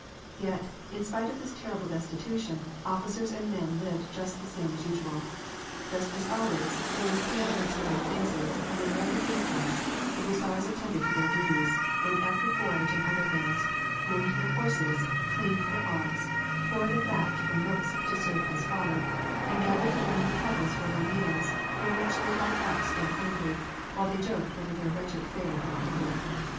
Yet, in spite of this terrible destitution, officers and men lived just the same as usual. Just as always, though with pale and swollen faces, and in ragged uniforms, the hossais attended to their duties, went after forage and other things, groomed their horses, cleaned their arms, tore the thatch from roofs to serve as fodder, and gathered around the kettles for their meals, from which they got up still hungry, while they joked over their wretched fare and hunger.